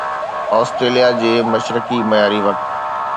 Australia جي مشرقي معياري وقت